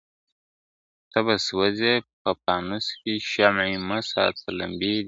ته به سوځې په پانوس کي شمعي مه ساته لمبې دي ..